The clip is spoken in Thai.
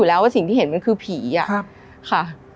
แล้วว่าสิ่งที่เห็นมันคือผีค่ะ